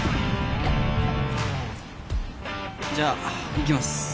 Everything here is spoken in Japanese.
じゃあいきます